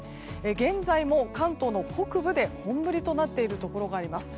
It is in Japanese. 現在も関東の北部で本降りとなっているところがあります。